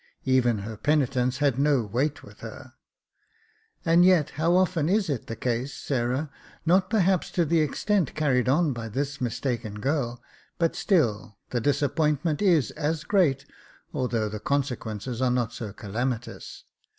Even her penitence had no weight with her. " And yet, how often is it the case, Sarah, not perhaps to the extent carried on by this mistaken girl ; but still, the disappointment is as great, although the consequences are not so calamitous.